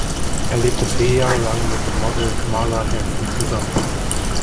Er lebte vier Jahre lang mit dem Model Marla Hanson zusammen.